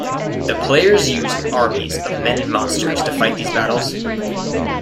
The players use armies of men and monsters to fight these battles.